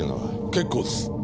結構です。